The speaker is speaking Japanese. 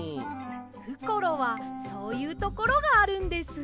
ふころはそういうところがあるんです。